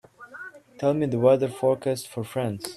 Tell me the weather forecast for France